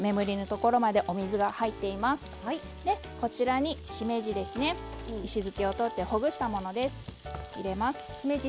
こちらに、しめじ。石づきを取ってほぐしたものです。